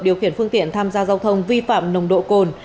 điều khiển phương tiện tham gia giao thông vi phạm nồng độ cồn